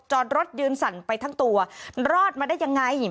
จอดรถยืนสั่นไปทั้งตัวรอดมาได้ยังไง